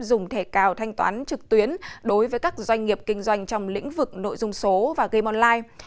dùng thẻ cào thanh toán trực tuyến đối với các doanh nghiệp kinh doanh trong lĩnh vực nội dung số và game online